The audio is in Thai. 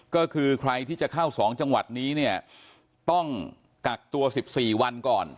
ก็คือใครที่จะเข้า๒จังหวัดนี้เนี่ยต้องกักตัว๑๔วันก่อน